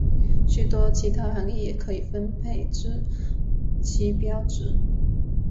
许多其他含意也可以被分配至旗标值。